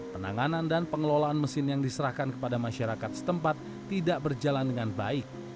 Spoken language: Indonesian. penanganan dan pengelolaan mesin yang diserahkan kepada masyarakat setempat tidak berjalan dengan baik